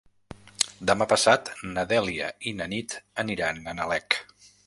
Demà passat na Dèlia i na Nit aniran a Nalec.